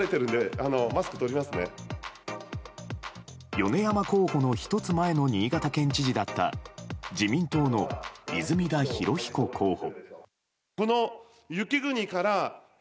米山候補の１つ前の新潟県知事だった自民党の泉田裕彦候補。